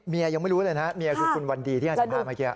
ยังไม่รู้เลยนะเมียคือคุณวันดีที่ให้สัมภาษณ์เมื่อกี้